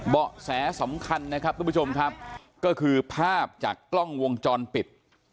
แสสำคัญนะครับทุกผู้ชมครับก็คือภาพจากกล้องวงจรปิด